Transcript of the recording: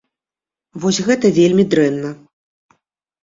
Вось гэта вельмі дрэнна.